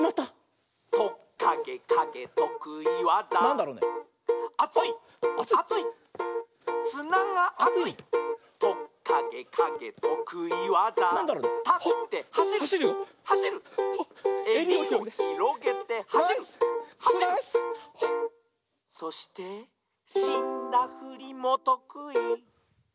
「トッカゲカゲとくいわざ」「アツいっアツいっすながあつい」「トッカゲカゲとくいわざ」「たってはしるはしる」「えりをひろげてはしるはしる」「そしてしんだふりもとくい」